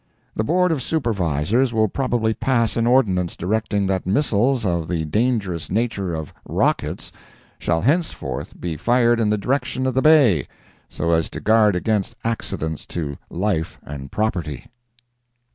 The Board of Supervisors will probably pass an ordinance directing that missiles of the dangerous nature of rockets shall henceforth be fired in the direction of the Bay, so as to guard against accidents to life and property.